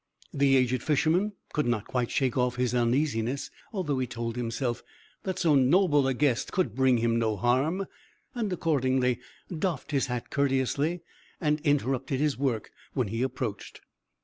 The aged Fisherman could not quite shake off his uneasiness, although he told himself that so noble a guest could bring him no harm, and accordingly doffed his hat courteously, and interrupted his work when he approached.